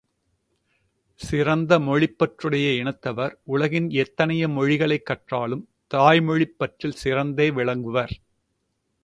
சிறந்த மொழிப் பற்றுடைய இனத்தவர் உலகின் எத்தனை மொழிகளைக் கற்றாலும் தாய்மொழிப் பற்றில் சிறந்தே விளங்குவர்.